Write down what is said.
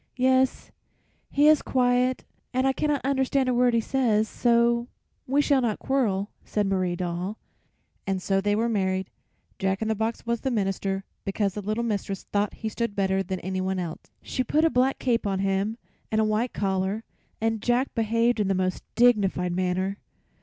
"Yes, he is quiet and I cannot understand a word he says, so we shall not quarrel," said Marie Doll. And so they were married. Jack in the box was the minister, because the little mistress thought he stood better than anyone else. She put a black cape on him and a white collar, and Jack behaved in the most dignified manner.